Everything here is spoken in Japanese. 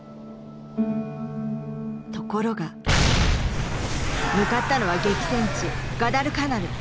ところが向かったのは激戦地ガダルカナル。